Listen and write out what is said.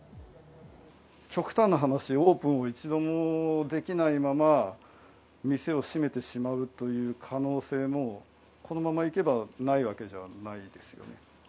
極端な話、オープンを一度もできないまま、店を閉めてしまうという可能性も、このままいけばないわけじゃないですよね。